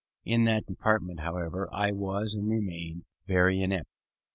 In that department, however, I was, and remained, very inapt.